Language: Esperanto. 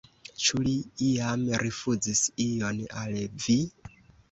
Ĉu li iam rifuzis ion al vi?